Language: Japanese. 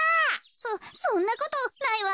そそんなことないわ。